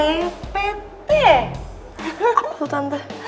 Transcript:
apa tuh tante